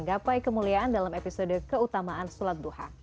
gapai kemuliaan dalam episode keutamaan sholat duha